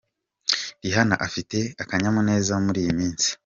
Rihanna afite akanyamuneza muri iyi minsi.